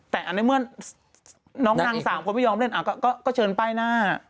แต่อันนั้นเมื่อนนางสามคนไม่ยอมเล่นก็เชิญไปหน้า